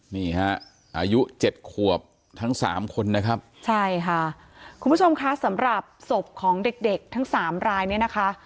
นี่ฮะอายุเจ็ดขวบทั้งสามคนนะครับใช่ค่ะคุณผู้ชมคะสำหรับศพของเด็กเด็กทั้งสามรายเนี่ยนะคะ